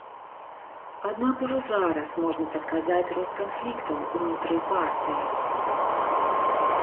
Аднак ужо зараз можна прадказаць рост канфліктаў унутры партыі.